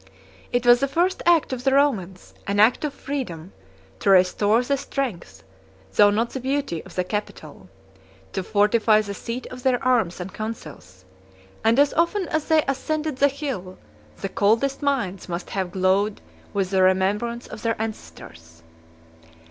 It was the first act of the Romans, an act of freedom, to restore the strength, though not the beauty, of the Capitol; to fortify the seat of their arms and counsels; and as often as they ascended the hill, the coldest minds must have glowed with the remembrance of their ancestors.